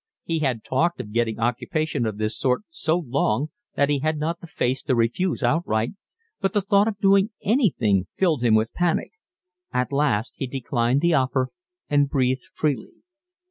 He had talked of getting occupation of this sort so long that he had not the face to refuse outright, but the thought of doing anything filled him with panic. At last he declined the offer and breathed freely.